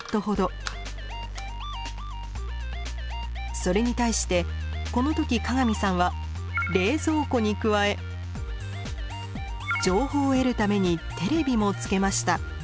それに対してこの時加賀見さんは冷蔵庫に加え情報を得るためにテレビもつけました。